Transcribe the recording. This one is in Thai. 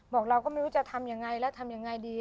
บอกเราก็ไม่รู้จะทำยังไงแล้วทำยังไงดี